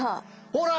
ほら！